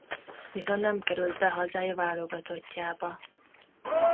Viszont nem került be hazája válogatottjába.